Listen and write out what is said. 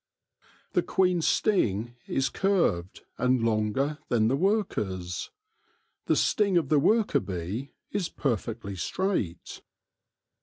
The queen's sting is curved, and longer than the worker's : the sting of the worker bee is perfectly straight.